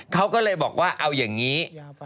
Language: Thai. เขาก็เลยบอกว่าเอาอย่างนี้